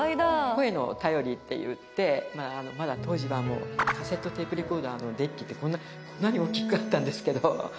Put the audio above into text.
声の便りっていってまだ当時はカセットテープレコーダーのデッキってこんなこんなに大きかったんですけど重たくて。